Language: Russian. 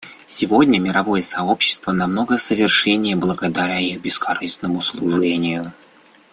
Сегодня мировое сообщество намного совершеннее благодаря их бескорыстному служению.